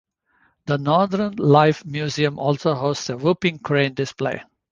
The Northern Life Museum also hosts a whooping crane display.